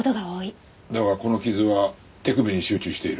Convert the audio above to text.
だがこの傷は手首に集中している。